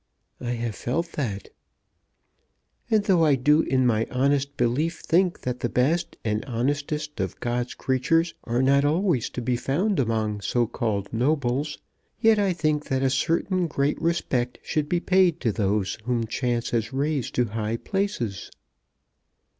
"I have felt that." "And though I do in my honest belief think that the best and honestest of God's creatures are not always to be found among so called nobles, yet I think that a certain great respect should be paid to those whom chance has raised to high places."